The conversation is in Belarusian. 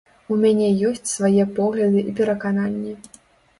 У мяне ёсць свае погляды і перакананні.